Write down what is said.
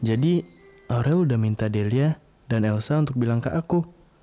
jadi aurel udah minta delia dan elsa untuk bilang ke aku